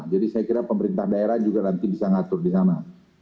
saya kira pemerintah daerah juga nanti bisa ngatur di sana